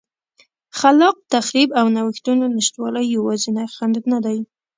خلاق تخریب او نوښتونو نشتوالی یوازینی خنډ نه دی.